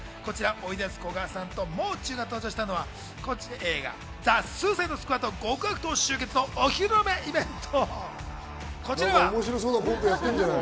おいでやすこがさんと、もう中学生が登場したのは映画『ザ・スーサイド・スクワッド“極”悪党、集結』のお披露目イベント。